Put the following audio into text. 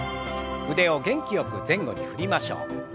腕を元気よく前後に振りましょう。